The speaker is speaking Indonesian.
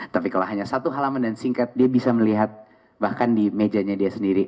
tapi kalau hanya satu halaman dan singkat dia bisa melihat bahkan di mejanya dia sendiri